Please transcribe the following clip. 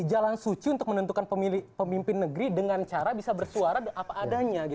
jalan suci untuk menentukan pemimpin negeri dengan cara bisa bersuara apa adanya